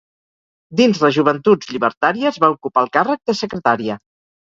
Dins les Joventuts Llibertàries va ocupar el càrrec de secretària.